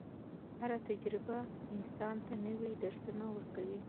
هره تجربه انسان ته نوي درسونه ورکوي.